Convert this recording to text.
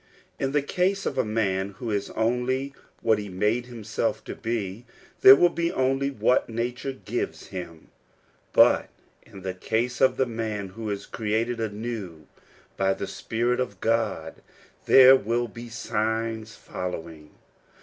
In the case of the man who is only what he made himself to be, there will be only wh^t nature gives him ; but in the case of the man who is created anew by the Spirit of God, there will be signs following.